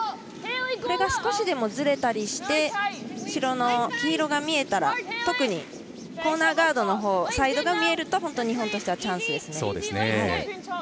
これが少しでもずれたりして後ろの黄色が見えたら特にコーナーガードのほうサイドが見えると日本としてはチャンスです。